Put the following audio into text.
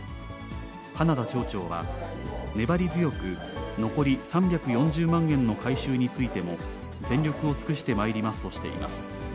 花田町長は、粘り強く残り３４０万円の回収についても、全力を尽くしてまいりますとしています。